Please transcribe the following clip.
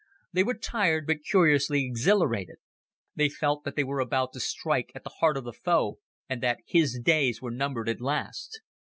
They were tired, but curiously exhilarated. They felt that they were about to strike at the heart of the foe, and that his days were numbered at last.